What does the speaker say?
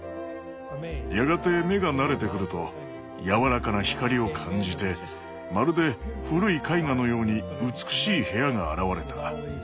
やがて目が慣れてくると柔らかな光を感じてまるで古い絵画のように美しい部屋が現れた。